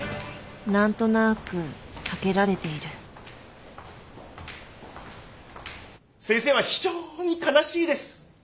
何となく避けられている先生は非常に悲しいです。